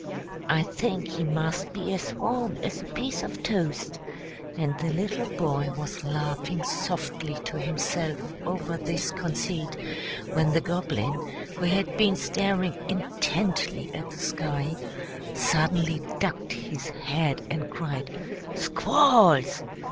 I think he must be as warm as a piece of toast;" and the little boy was laughing softly to himself over this conceit, when the Goblin, who had been staring intently at the sky, suddenly ducked his head, and cried "Squalls!"